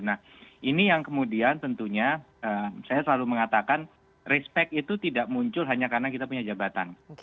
nah ini yang kemudian tentunya saya selalu mengatakan respect itu tidak muncul hanya karena kita punya jabatan